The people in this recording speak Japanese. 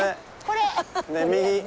これ。